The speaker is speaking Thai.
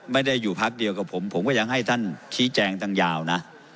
อยู่พักเดียวกับผมผมก็ยังให้ท่านชี้แจงตั้งยาวนะ